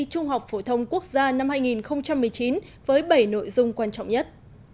trung học phổ thông quốc gia năm hai nghìn một mươi chín với bảy nội dung quan trọng nhất